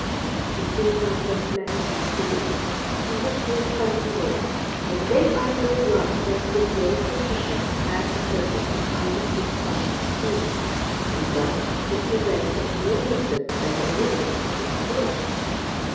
The King now sent messengers to the East to look for his son in law, and they by good luck met with the old magician who had interpreted the signs on King Solomon's ring, and thus was possessed of more wisdom than anyone else in the world.